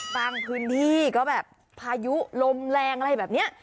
พื้นที่ก็แบบพายุลมแรงอะไรแบบนี้